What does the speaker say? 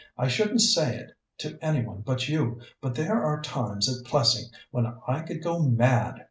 I shouldn't say it to any one but you, but there are times at Plessing when I could go mad.